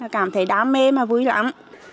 cảm thấy đam mê mà vui lắm